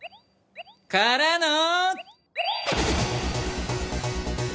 からの？